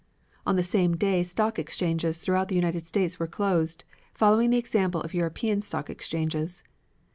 On the same day stock exchanges throughout the United States were closed, following the example of European stock exchanges.